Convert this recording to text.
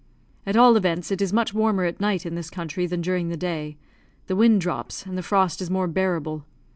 At all events, it is much warmer at night in this country than during the day; the wind drops, and the frost is more bearable.